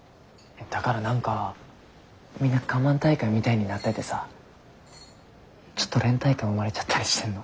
だから何かみんな我慢大会みたいになっててさちょっと連帯感生まれちゃったりしてんの。